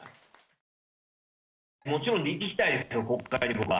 もちろん行きたいですよ、国会には。